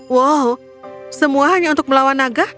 wow semua hanya untuk melawan naga